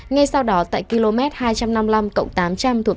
ngay sau đó tại km hai trăm năm mươi năm tám trăm linh thuộc đà nẵng